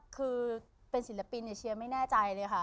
คือเป็นศิลปินเชียวไม่แน่ใจเลยค่ะ